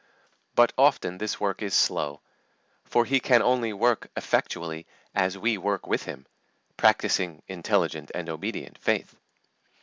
But often this work is slow, for He can only work effectually as we work with Him, practising intelligent and obedient faith.